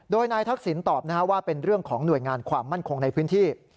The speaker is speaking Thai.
โดยนายทักษิณตอบว่าเป็นเรื่องของหน่วยงานความมั่นคงในพื้นที่